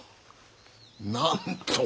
なんと。